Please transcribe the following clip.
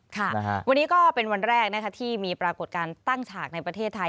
ค่ะวันนี้ก็เป็นวันแรกนะคะที่มีปรากฏการณ์ตั้งฉากในประเทศไทย